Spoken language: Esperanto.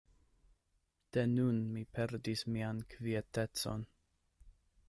De nun, mi perdis mian kvietecon.